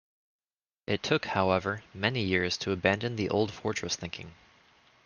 It took, however, many years to abandon the old fortress thinking.